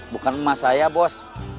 bukan emak saya bos